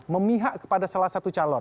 memihak kepada salah satu calon